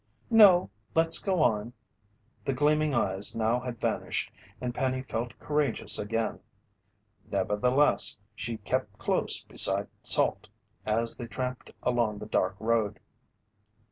"No, let's go on." The gleaming eyes now had vanished and Penny felt courageous again. Nevertheless, she kept close beside Salt as they tramped along the dark road.